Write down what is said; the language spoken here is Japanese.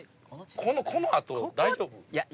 この後大丈夫？